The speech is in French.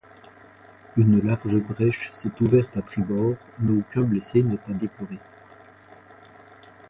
Une large brèche s'est ouverte à tribord mais aucun blessé n'est à déplorer.